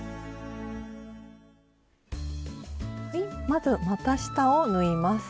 まずまた下を縫います。